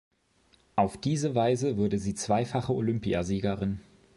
Auf diese Weise wurde sie zweifache Olympiasiegerin.